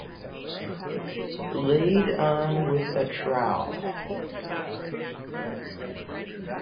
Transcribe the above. Laid on with a trowel